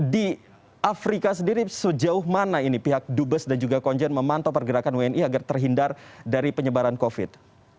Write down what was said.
di afrika sendiri sejauh mana ini pihak dubes dan juga konjen memantau pergerakan wni agar terhindar dari penyebaran covid